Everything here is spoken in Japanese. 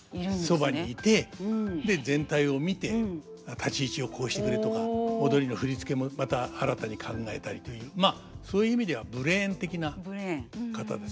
そばにいて全体を見て立ち位置をこうしてくれとか踊りの振り付けもまた新たに考えたりというまあそういう意味ではブレーン的な方ですね。